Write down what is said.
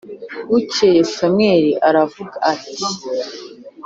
Bukeye Samweli aravuga ati